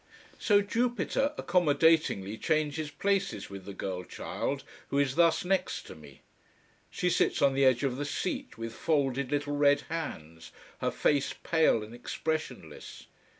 So Jupiter accommodatingly changes places with the girl child, who is thus next to me. She sits on the edge of the seat with folded little red hands, her face pale and expressionless.